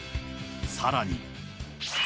さらに。